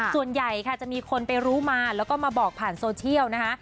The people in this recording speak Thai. ส่วนใหญ่ค่ะจะมีคนไปรู้มาแล้วก็มาบอกผ่านโซเชียลนะคะ